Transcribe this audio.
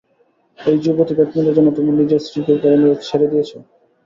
এই যুবতী পেত্নীটার জন্যে তুমি নিজের স্ত্রী- কে ছেড়ে দিয়েছো?